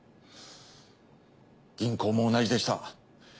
銀行も同じでした。